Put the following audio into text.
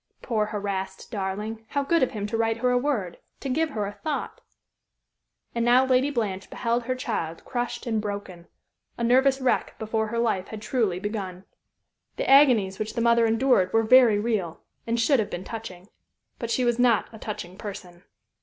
Poor, harassed darling, how good of him to write her a word to give her a thought! And now Lady Blanche beheld her child crushed and broken, a nervous wreck, before her life had truly begun. The agonies which the mother endured were very real, and should have been touching. But she was not a touching person.